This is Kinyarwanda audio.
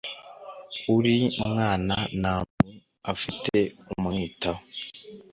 uri mwana na mu afite umwitaho